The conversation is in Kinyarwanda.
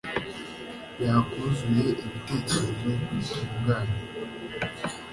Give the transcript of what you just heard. yakuzuye ibitekerezo bitunganye